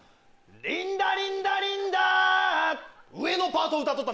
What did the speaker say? リンダリンダリンダいや